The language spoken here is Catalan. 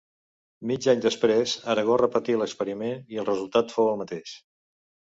Mig any després, Aragó repetí l'experiment i el resultat fou el mateix.